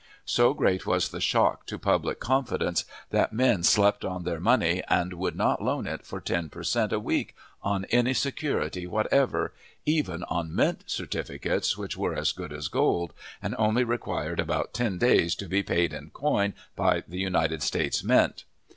So great was the shock to public confidence, that men slept on their money, and would not loan it for ten per cent. a week, on any security whatever even on mint certificates, which were as good as gold, and only required about ten days to be paid in coin by the United States Mint.